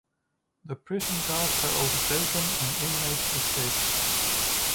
The prison guards were overtaken and inmates escaped.